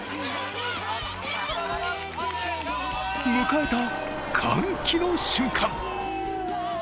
迎えた歓喜の瞬間。